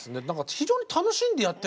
非常に楽しんでやってらっしゃる。